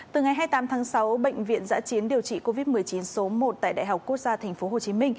từ ngày hai mươi tám tháng sáu bệnh viện giã chiến điều trị covid một mươi chín số một tại đại học quốc gia tp hcm